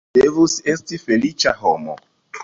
Li devus esti feliĉa homo.